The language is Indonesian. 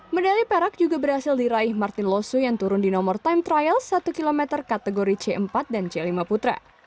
medali perak juga berhasil diraih martin losu yang turun di nomor time trial satu km kategori c empat dan c lima putra